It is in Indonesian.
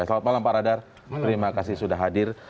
selamat malam pak radar terima kasih sudah hadir